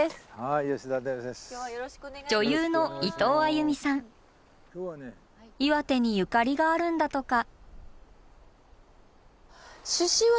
女優の岩手にゆかりがあるんだとか。